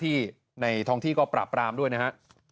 ในท้องที่ก็ปราบรามด้วยนะฮะ